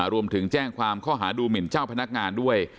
รวมถึงแจ้งความข้อหาดูหมินเจ้าพนักงานด้วย